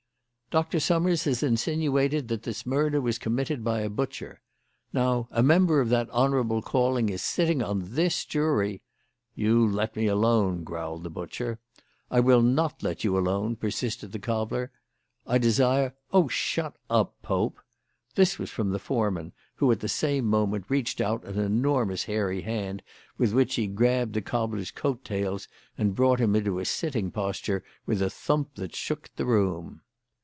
"Doctor Summers has insinuated that this murder was committed by a butcher. Now a member of that honourable calling is sitting on this jury " "You let me alone," growled the butcher. "I will not let you alone," persisted the cobbler. "I desire " "Oh, shut up, Pope!" This was from the foreman, who, at the same moment, reached out an enormous hairy hand with which he grabbed the cobbler's coat tails and brought him into a sitting posture with a thump that shook the room.